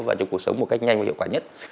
và cho cuộc sống một cách nhanh và hiệu quả nhất